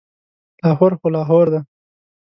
لاهور خو لاهور دی.